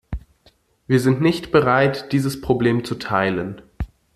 Wir sind nicht bereit, dieses Problem zu teilen.